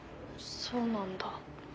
そうなんだ。